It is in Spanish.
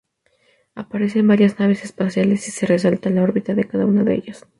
Aparecen varias naves espaciales, y se resalta la órbita de cada una de ellas.